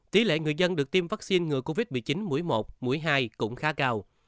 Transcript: tỷ lệ người dân được tiêm vaccine ngừa covid một mươi chín mũi một mũi hai cũng khá cao